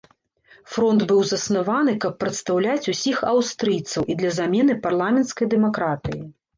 Фронт быў заснаваны, каб прадстаўляць ўсіх аўстрыйцаў і для замены парламенцкай дэмакратыі.